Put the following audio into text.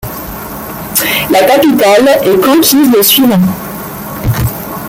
La capitale est conquise le suivant.